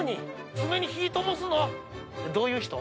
どういう人？